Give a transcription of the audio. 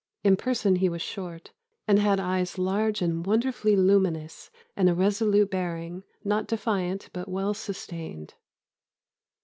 In person he was short, and had eyes large and wonderfully luminous, and a resolute bearing, not defiant but well sustained."